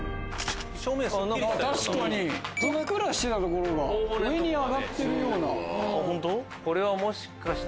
確かにふっくらしてた所が上に上がってるような。